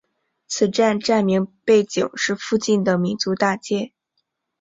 此站站名背景是附近的民族大街。